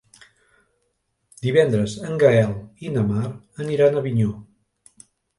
Divendres en Gaël i na Mar aniran a Avinyó.